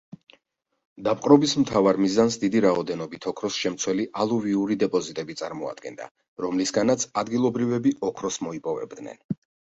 დაპყრობის მთავარ მიზანს დიდი რაოდენობით ოქროს შემცველი ალუვიური დეპოზიტები წარმოადგენდა, რომლისგანაც ადგილობრივები ოქროს მოიპოვებდნენ.